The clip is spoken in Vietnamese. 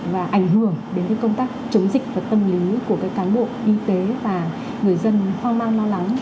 và ảnh hưởng đến cái công tác chống dịch và tâm lý của cái cán bộ y tế và người dân khoang mang lo lắng